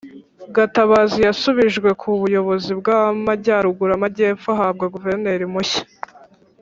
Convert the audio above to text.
gatabazi yasubijwe ku buyobozi bw’Amajyaruguru, Amajyepfo ahabwa Guverineri mushya